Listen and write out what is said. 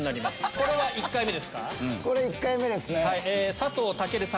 これ１回目ですね。